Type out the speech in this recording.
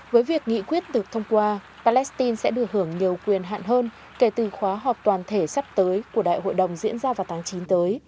với việc nghị quyết được thông qua palestine sẽ được hưởng nhiều quyền hạn hơn kể từ khóa họp toàn thể sắp tới của đại hội đồng diễn ra vào tháng chín tới